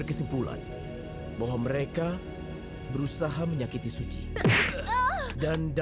memang seharusnya begitu jarwo